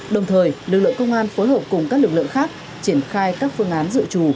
đồng thời lực lượng công an phối hợp cùng các lực lượng khác triển khai các phương án dự trù